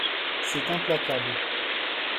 C’est implacable